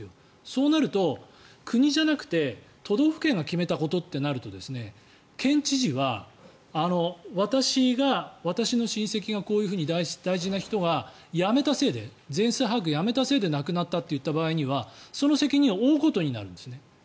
そうなると、国じゃなくて都道府県が決めたことってなると県知事は私の親戚がこういうふうに大事な人が全数把握をやめたせいで亡くなったといった場合にはその責任を負うことになるんですね。